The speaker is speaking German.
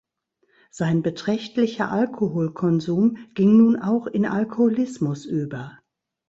Sein beträchtlicher Alkoholkonsum ging nun auch in Alkoholismus über.